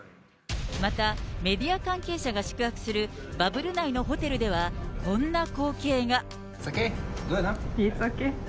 またメディア関係者が宿泊するバブル内のホテルでは、こんな光景が。